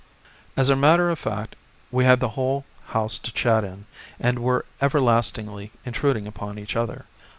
As a matter of fact we had the whole house to chat in, and were everlastingly intruding upon each other.